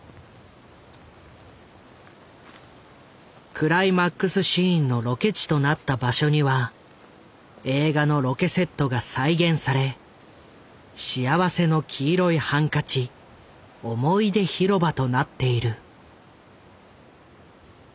クライマックスシーンのロケ地となった場所には映画のロケセットが再現され「幸福の黄色いハンカチ想い出ひろば」となっている。